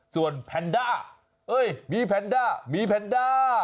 ส่วนแพนด้ายมีแพนด้ามีแพนด้า